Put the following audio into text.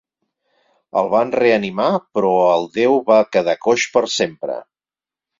El van reanimar però el déu va quedar coix per sempre.